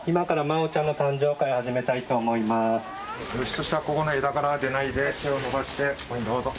そしたらここの枝からは出ないで手を伸ばしてここにどうぞ。